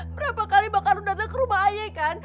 berapa kali pak arun datang ke rumah ayah kan